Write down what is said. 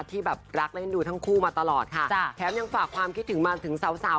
ที่แบบรักและเอ็นดูทั้งคู่มาตลอดค่ะจ้ะแถมยังฝากความคิดถึงมาถึงสาวสาว